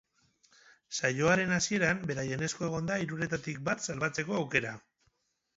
Saioaren hasieran, beraien esku egon da hiruretatik bat salbatzeko aukera.